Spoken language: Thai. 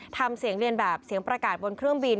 ทำเสียงเรียนแบบเสียงประกาศบนเครื่องบิน